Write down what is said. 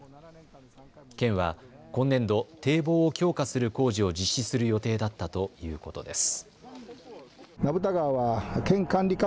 県は今年度、堤防を強化する工事を実施する予定だったということです。